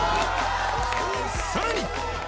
さらに！